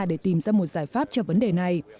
để tìm ra một giải pháp cho vấn đề này